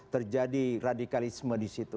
terjadi radikalisme di situ